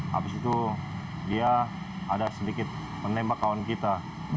habis itu dia ada sedikit menembak kawan kita